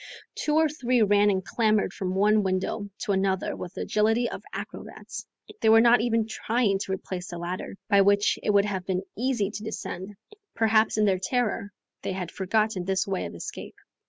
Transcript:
Two or three ran and clambered from one window to another with the agility of acrobats. They were not even trying to replace the ladder, by which it would have been easy to descend; perhaps in their terror they had forgotten this way of escape.